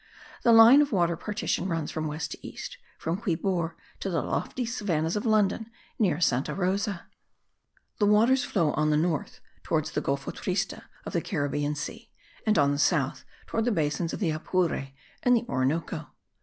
The line of water partition runs from west to east, from Quibor to the lofty savannahs of London, near Santa Rosa. The waters flow on the north, towards the Golfo triste of the Caribbean Sea; and on the south, towards the basins of the Apure and the Orinoco.